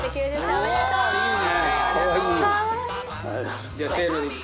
ありがとうございます。